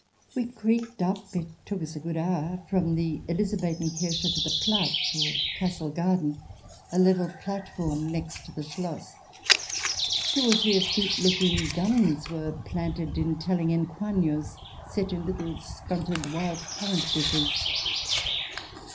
We creaked up — it took us a good hour — from the Elizabethen Kirche to the platz, or castle garden, a level platform next the Schloss. Two or three effete looking guns were planted in telling encoignures, set in little stunted wild currant bushes.